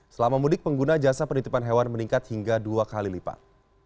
selama mudik pengguna jasa penitipan hewan meningkat hingga dua kali lipat